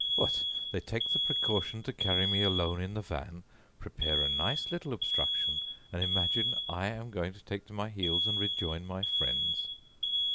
What! they take the precaution to carry me alone in the van, prepare a nice little obstruction, and imagine I am going to take to my heels and rejoin my friends.